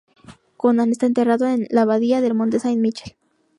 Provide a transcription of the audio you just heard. Conan está enterrado en la abadía del Monte Saint-Michel.